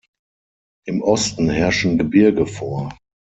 Im Osten herrschen Gebirge vor.